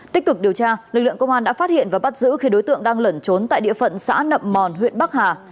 tích cực điều tra lực lượng công an đã phát hiện và bắt giữ khi đối tượng đang lẩn trốn tại địa phận xã nậm mòn huyện bắc hà